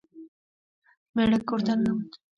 میړه کور ته ننوت.